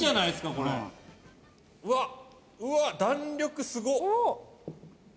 うわうわっ弾力すごっ！